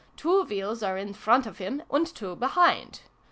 Two wheels are in front of him, and two behind.